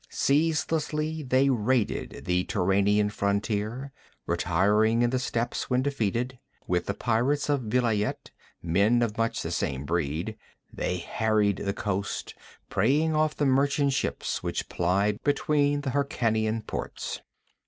Ceaselessly they raided the Turanian frontier, retiring in the steppes when defeated; with the pirates of Vilayet, men of much the same breed, they harried the coast, preying off the merchant ships which plied between the Hyrkanian ports.